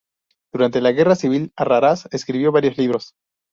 Durante la Guerra Civil Arrarás escribió varios libros.